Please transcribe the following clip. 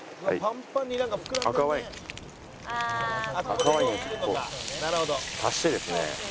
赤ワインをこう足してですね。